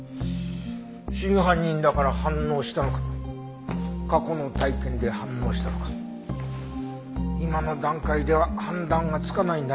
真犯人だから反応したのか過去の体験で反応したのか今の段階では判断がつかないんだね。